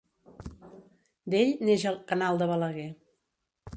D'ell neix el Canal de Balaguer.